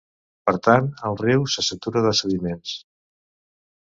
Per tant, el riu se satura de sediments.